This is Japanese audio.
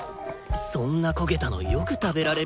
そんな焦げたのよく食べられるな。